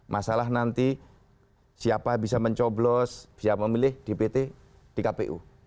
masalah nanti siapa bisa mencoblos bisa memilih dpt di kpu